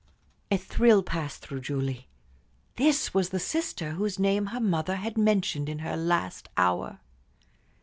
A thrill passed through Julie. This was the sister whose name her mother had mentioned in her last hour.